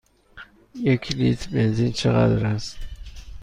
یک لیتر بنزین چقدر است؟